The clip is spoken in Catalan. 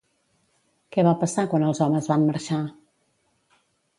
Què va passar quan els homes van marxar?